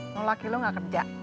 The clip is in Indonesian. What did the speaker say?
no laki lu gak kerja